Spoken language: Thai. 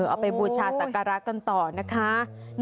เอาไปบูชาศักระกันต่อนะคะ